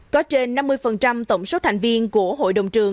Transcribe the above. có trên năm mươi tổng số thành viên của hội đồng trường